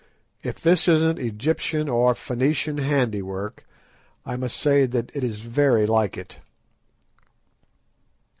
If this isn't Egyptian or Phoenician handiwork, I must say that it is very like it."